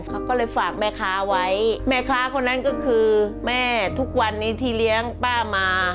เขาก็เลยฝากแม่ค้าไว้แม่ค้าคนนั้นก็คือแม่ทุกวันนี้ที่เลี้ยงป้ามา